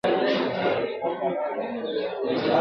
شالمار په وینو رنګ دی د مستیو جنازې دي !.